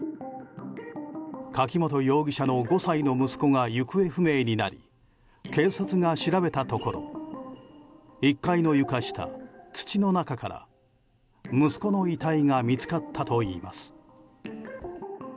柿本容疑者の５歳の息子が行方不明になり警察が調べたところ１階の床下、土の中から息子の遺体が見つかったといいます。